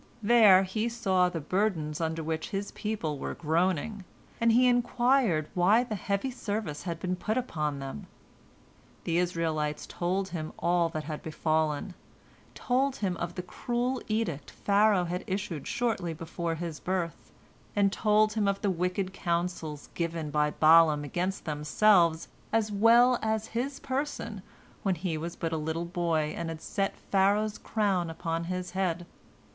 There he saw the burdens under which his people were groaning, and he inquired why the heavy service had been put upon them. The Israelites told him all that had befallen, told him of the cruel edict Pharaoh had issued shortly before his birth, and told him of the wicked counsels given by Balaam against themselves as well as against his person when he was but a little boy and had set Pharaoh's crown upon his head.